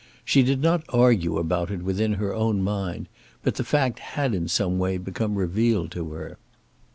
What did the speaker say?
She did not argue about it within her own mind, but the fact had in some way become revealed to her.